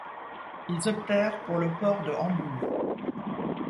Ils optèrent pour le port de Hambourg.